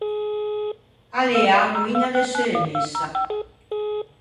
A l’ea a moiña de seu nessa.